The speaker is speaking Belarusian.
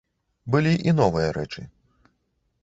Былі і новыя рэчы.